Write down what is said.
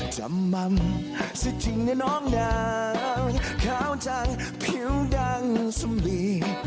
จำมัมสิทธิ์จริงนะน้องหนาขาวจังผิวดังสมลี